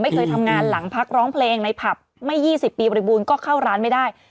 เคยทำงานหลังพักร้องเพลงในผับไม่๒๐ปีบริบูรณ์ก็เข้าร้านไม่ได้